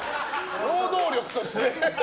労働力として。